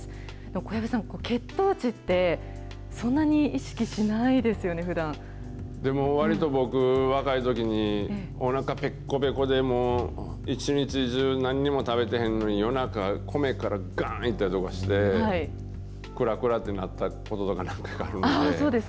小籔さん、血糖値って、そんなにでも、わりと僕、若いときに、おなかぺっこぺこで、一日中なんにも食べてへんのに夜中、米からがーんいったりとかして、くらくらってなったことが何回かあるんで。